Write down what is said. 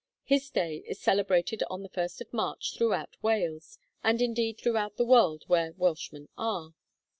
His day is celebrated on the 1st of March throughout Wales, and indeed throughout the world where Welshmen are.